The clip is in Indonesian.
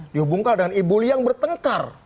dihubungkan dengan ibu lia yang bertengkar